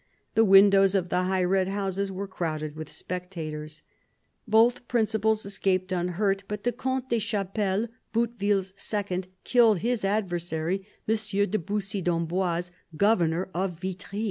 The windows of the high red houses were crowded with spectators. Both principals escaped unhurt ; but the Comte des Chapelles, Bouteville's second, Icilled his adversary, M. de Bussy d'Amboise, governor of Vitry.